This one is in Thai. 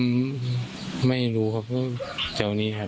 อืมไม่รู้ครับแจกว่านี้ครับ